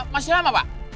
masih lama pak